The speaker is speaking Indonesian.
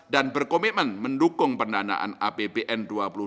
dan berkomitmen mendukung pendanaan apbn dua ribu dua puluh